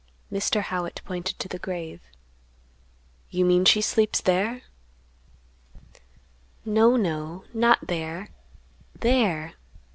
Mr. Howitt pointed to the grave; "You mean she sleeps there?" "No, no, not there; there!"